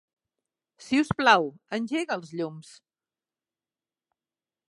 Si us plau, engega els llums.